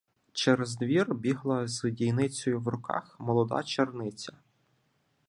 Через двір бігла з дійницею в руках молода черниця.